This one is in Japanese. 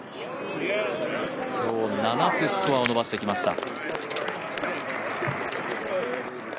今日、７つスコアを伸ばしてきました。